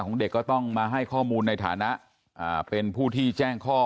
ของเด็กก็ต้องมาให้ข้อมูลในฐานะเป็นผู้ที่แจ้งข้อ